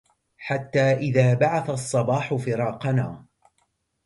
حتى إذا بعث الصباح فراقنا